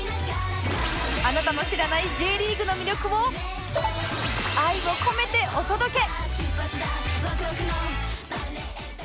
あなたの知らない Ｊ リーグの魅力を愛を込めてお届け！